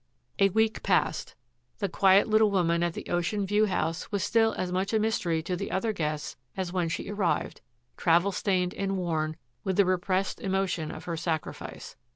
A week passed. The quiet little woman at the Oceanview House was still as much a mystery to the other guests as when she arrived, travel stained and worn with the repressed emotion of her sacrifice.